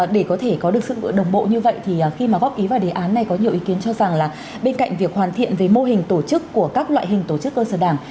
để có thể có được sự đồng bộ như vậy thì khi mà góp ý vào đề án này có nhiều ý kiến cho rằng là bên cạnh việc hoàn thiện về mô hình tổ chức của các loại hình tổ chức cơ sở đảng